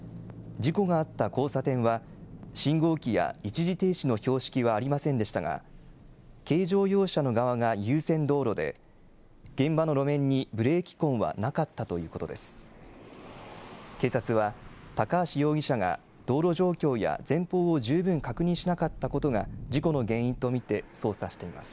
事故があった交差点は、信号機や一時停止の標識はありませんでしたが、軽乗用車の側が優先道路で、現場の路面にブレーキ痕はなかったということです。